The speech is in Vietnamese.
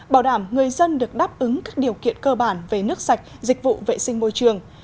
bảo đảm người dân được đáp ứng các điều kiện cơ bản về nước sạch dịch vụ vệ sinh môi trường